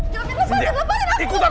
jamin lepas dan lepaskan aku